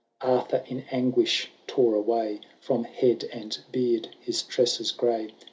Arthur, in anguisln tore away From head and beard his tresses gray.